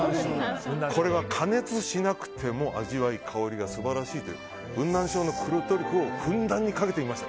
これは加熱しなくても味わい、香りが素晴らしいという雲南省の黒トリュフをふんだんにかけてみました。